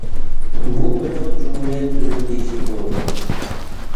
بۇ بىر خىل جۇمھۇرىيەت تۈزۈمى دېيىشكە بولىدۇ.